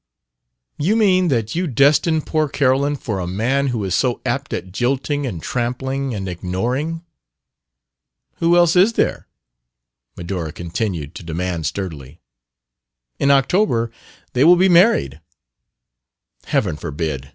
"You mean that you destine poor Carolyn for a man who is so apt at jilting and trampling and ignoring?" "Who else is there?" Medora continued to demand sturdily. "In October they will be married " "Heaven forbid!"